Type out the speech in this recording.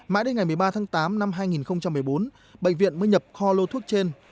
mãi đến ngày một mươi ba tháng tám năm hai nghìn một mươi bốn bệnh viện mới nhập kho lô thuốc trên